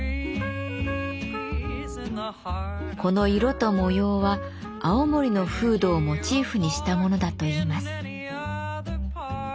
この色と模様は青森の風土をモチーフにしたものだといいます。